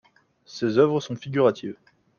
Ses œuvres sont figuratives.